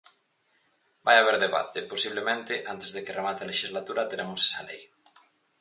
Vai haber debate e posiblemente antes de que remate a lexislatura teremos esa lei.